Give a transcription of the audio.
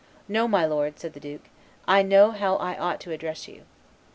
"No, my lord," said the duke; "I know how I ought to address you."